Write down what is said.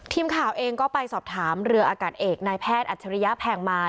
ทีมข่าวเองก็ไปสอบถามเรืออากาศเอกนายแพทย์อัจฉริยะแพงมา